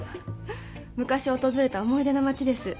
昔訪れた思い出の街です。